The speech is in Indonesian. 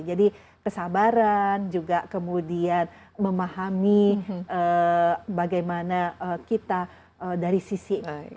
jadi kesabaran juga kemudian memahami bagaimana kita dari sisi angle seperti itu